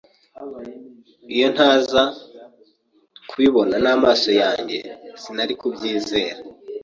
Iyo ntaza kubibona n'amaso yanjye, sinari kubyizera.